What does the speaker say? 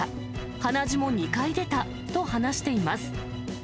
鼻血も２回出たと話しています。